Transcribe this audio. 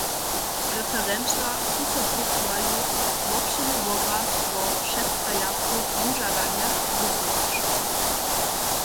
Referenća su so prócowali, wobšěrny wobraz wo předstejacych wužadanjach rysować.